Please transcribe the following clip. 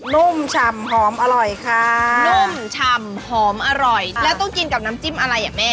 นุ่มฉ่ำหอมอร่อยค่ะนุ่มฉ่ำหอมอร่อยแล้วต้องกินกับน้ำจิ้มอะไรอ่ะแม่